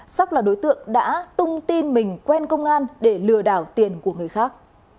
sóc là đối tượng đã tung tin mình quen công an để lừa đảo tiền của người khác